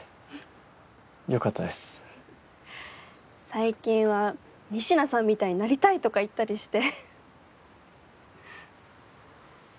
最近は「仁科さんみたいになりたい」とか言ったりして。